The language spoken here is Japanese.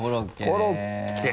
コロッケ。